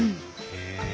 へえ。